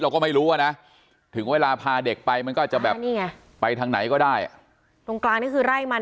เราก็ไม่รู้อ่ะนะถึงเวลาพาเด็กไปมันก็อาจจะแบบนี่ไงไปทางไหนก็ได้ตรงกลางนี่คือไร่มัน